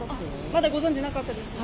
まだご存じなかったですか？